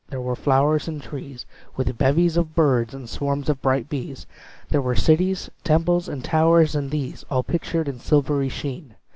There were flowers and trees, With bevies of birds and swarms of bright bees; There were cities temples, and towers; and these, All pictured in silvery sheen!